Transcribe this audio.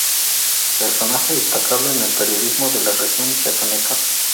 Personaje destacable en el periodismo de la región chiapaneca.